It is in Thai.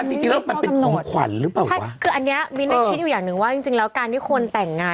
นี้คืออันนี้มีเพิ่ลคนอยากทำยังไง